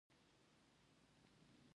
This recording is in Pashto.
ما خو له هغو خلکو سره وعده کړې وه.